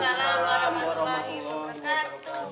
salam warahmatullahi wabarakatuh